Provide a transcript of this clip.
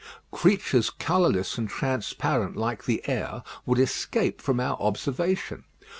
Creatures colourless and transparent like the air would escape from our observation.